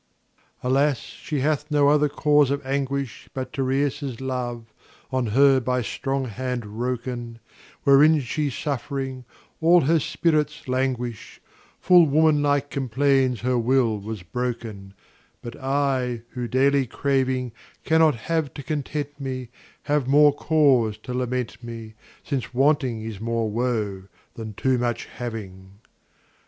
Alas! she hath no other cause of anguish But Tereus' love, on her by strong hand wroken; Wherein she suffering, all her spirits languish, 15 Full womanlike complains her will was broken But I, who, daily craving, Cannot have to content me, Have more cause to lament me, Since wanting is more woe than too much having.